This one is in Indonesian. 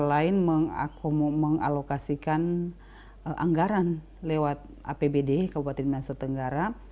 dalam kebijakannya antara lain mengalokasikan anggaran lewat apbd kabupaten minahasa tenggara